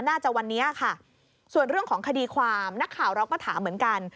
น่าจะวันนี้ค่ะส่วนเรื่องของคดีความนักข่าวเราก็ถามเหมือนกัน